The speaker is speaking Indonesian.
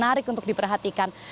menarik untuk diperhatikan